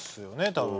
多分。